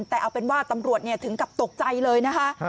แต่เอาเป็นว่าตำรวจถึงกับตกใจเลยนะคะ